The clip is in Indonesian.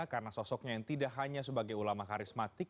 karena sosoknya yang tidak hanya sebagai ulama karismatik